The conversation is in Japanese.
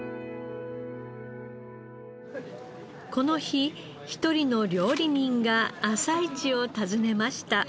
この日一人の料理人が朝市を訪ねました。